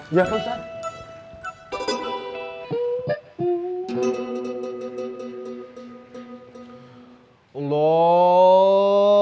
iya pak ustadz